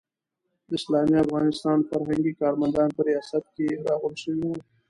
د اسلامي افغانستان فرهنګي کارمندان په ریاست کې راغونډ شوي وو.